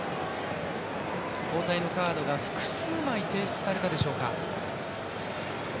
交代のカードが複数枚提出されたでしょうか。